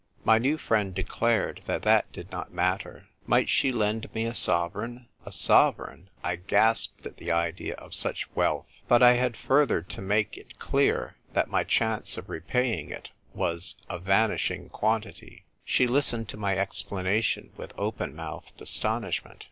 My new friend declared that that did not matter. Might she lend me a sove reign ? A sovereign ! I gasped at the idea of such wealth. But I had further to make 98 THE TYPE WRITER GIRL. it clear that my chance of repaying it was a vanishing quantity. She listened to my explanation with open mouthed astonishment.